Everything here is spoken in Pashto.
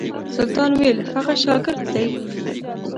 سلطان ویل هغه شاګرد دی.